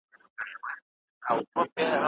هغه څه چي لیکل سوي ټول غلط دي.